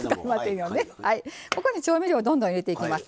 ここに調味料どんどん入れていきます。